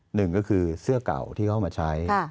หนึ่งก็คือเสื้อเก่าที่เข้ามาใช้